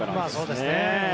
そうですね。